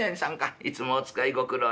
いつもお使いご苦労さま。